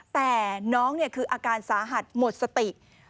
แต่น้องคืออาการสาหัสหมดสติ